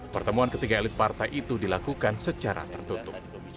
pertemuan ketiga elit partai itu dilakukan secara tertutup